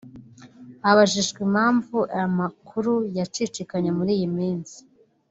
Abajijwe impamvu aya makuru yacicikanye muri iyi minsi